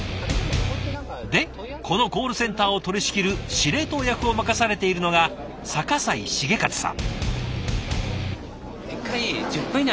でこのコールセンターを取り仕切る司令塔役を任されているのが逆井茂和さん。